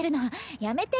やめてよ